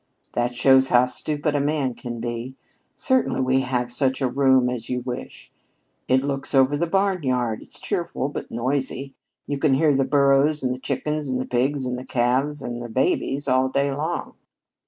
"That shows how stupid a man can be. Certainly we have such a room as you wish. It looks over the barnyard. It's cheerful but noisy. You can hear the burros and the chickens and pigs and calves and babies all day long."